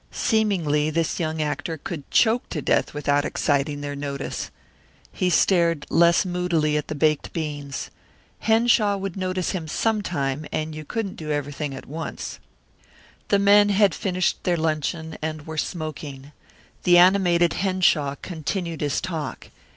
Seemingly this young actor could choke to death without exciting their notice. He stared less moodily at the baked beans. Henshaw would notice him sometime, and you couldn't do everything at once. The men had finished their luncheon and were smoking. The animated Henshaw continued his talk.